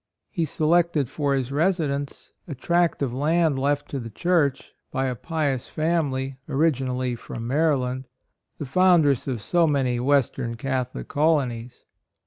He se lected for his residence a tract of land left to the Church by a pious family, originally from Maryland, the foundress of so many Western Catholic colonies.